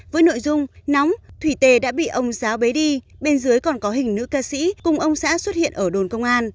với nội dung nóng thủy tề đã bị ông giáo bấy đi bên dưới còn có hình nữ ca sĩ cùng ông xã xuất hiện ở đồn công an